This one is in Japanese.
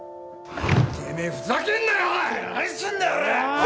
てめぇふざけんなよ痛ぇな何すんだよおら！